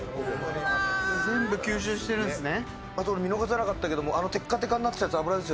全部吸収してるんですね。